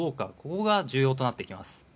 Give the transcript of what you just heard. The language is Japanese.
ここが重要となってきます。